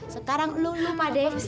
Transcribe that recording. sekarang lu lupa deh